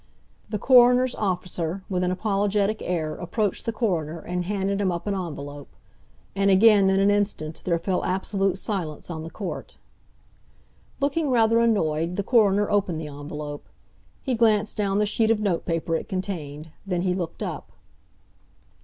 The coroner's officer, with an apologetic air, approached the coroner, and handed him up an envelope. And again in an instant, there fell absolute silence on the court. Looking rather annoyed, the coroner opened the envelope. He glanced down the sheet of notepaper it contained. Then he looked up.